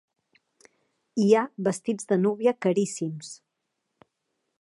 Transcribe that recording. Hi ha vestits de núvia caríssims.